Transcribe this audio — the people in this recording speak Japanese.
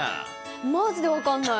まじで分かんない。